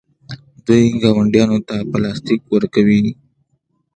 دوی ګاونډیانو ته پلاستیک ورکوي.